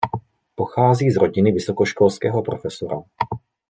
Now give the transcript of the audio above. Pochází z rodiny vysokoškolského profesora.